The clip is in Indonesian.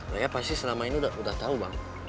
raya pasti selama ini udah tau bang